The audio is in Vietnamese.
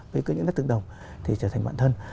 với những đất tương đồng thì trở thành bản thân